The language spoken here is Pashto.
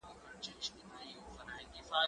زه به کتاب ليکلی وي!.